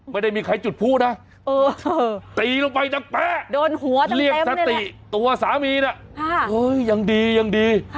ไม่ได้มีใครจุดพูดนะตีลงไปจากป๊ะเรียกสติตัวสามีน่ะโอ้ยยังดียังดี